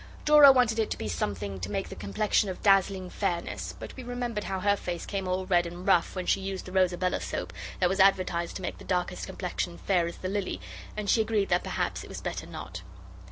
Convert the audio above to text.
Dora wanted it to be something to make the complexion of dazzling fairness, but we remembered how her face came all red and rough when she used the Rosabella soap that was advertised to make the darkest complexion fair as the lily, and she agreed that perhaps it was better not.